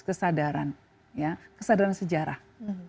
kesadaran kesadaran sejarah